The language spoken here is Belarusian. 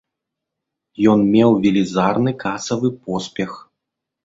Ён меў велізарны касавы поспех.